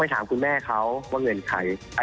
แล้วเงินใครคะ